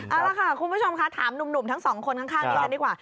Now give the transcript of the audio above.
เอาล่ะค่ะคุณผู้ชมค่ะถามหนุ่มทั้งสองคนข้างดิฉันดีกว่า